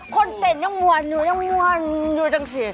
คนเดนอยากหวานอยากหวานอยู่อยู่จังสิ